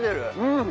うん！